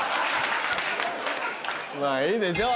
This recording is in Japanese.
まぁいいでしょう。